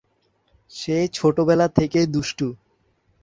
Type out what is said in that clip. সে ছোটবেলা থেকে দুষ্টু।